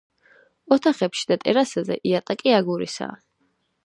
ოთახებში და ტერასაზე იატაკი აგურისაა.